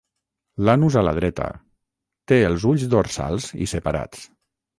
L'anus a la dreta, té els ulls dorsals i separats.